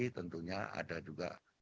tentunya ada juga